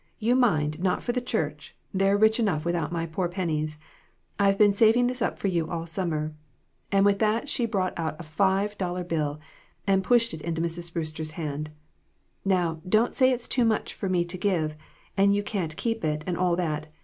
' You, mind, not for the church ; they're rich enough without my poor pennies. I've been saving this up for you all summer.' And with that she brought out a five dollar bill, and pushed it into Mrs. Brewster's hand. ' Now, don't say it's too much for me to give, and you can't keep it, and all that.